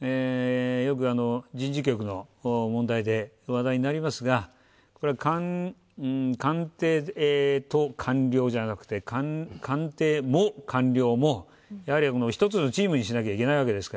よく人事局の問題で話題になりますが、官邸と官僚じゃなくて官邸も官僚も一つのチームにしなければいけないわけですから。